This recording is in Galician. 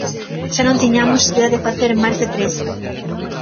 Xa non tiñamos idea de facer máis de tres.